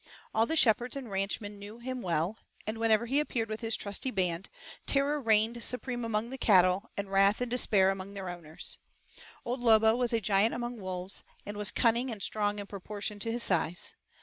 All the shepherds and ranchmen knew him well, and, wherever he appeared with his trusty band, terror reigned supreme among the cattle, and wrath and despair among their owners. Old Lobo was a giant among wolves, and was cunning and strong in proportion to his size.